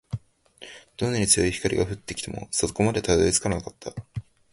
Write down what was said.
どんなに強い光が降ってきても、底までたどり着かなかった